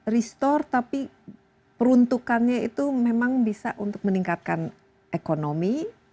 restore tapi peruntukannya itu memang bisa untuk meningkatkan ekonomi